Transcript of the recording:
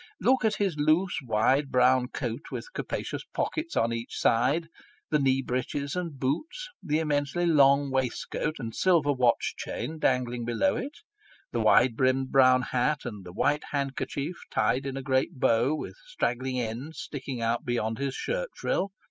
Look at his loose, wide, brown coat, M.P. i i 5 with capacious pockets on each side; the knee breeches and boots, the immensely long waistcoat, and silver watch chain dangling below it, the wide brimmed brown hat, and the white handkerchief tied in a great bow, with straggling ends sticking out beyond his shirt frill.